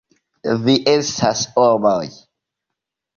Vi estas homoj!